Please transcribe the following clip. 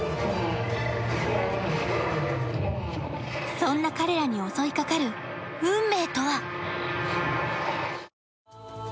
そんな彼らに襲いかかる運命とは？